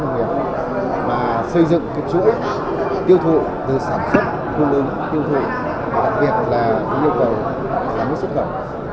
và xây dựng chuỗi tiêu thụ từ sản xuất thu lương tiêu thụ và đặc biệt là yêu cầu sản xuất khẩu